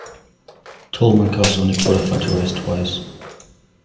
Toleman cars only qualified to race twice.